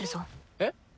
えっ？